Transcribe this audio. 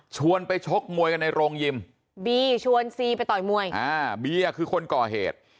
ชวนไปชกมวยกันในโรงยิมบีชวนซีไปต่อยมวยอ่าบีคือคนก่อเหตุ